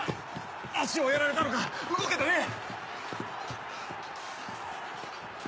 足をやられたのか動けてねえ。